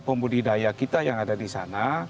pembudidaya kita yang ada di sana